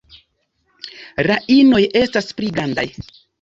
La inoj estas pli grandaj.